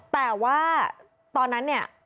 แต่ว่าตอนนั้นเนี่ย